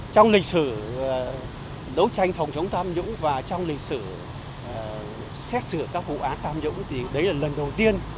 trong lịch sử đấu tranh phòng chống tham nhũng và trong lịch sử xét xử các vụ án tham nhũng thì đấy là lần đầu tiên